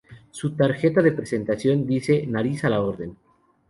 Su tarjeta de presentación dice "Nariz a la orden".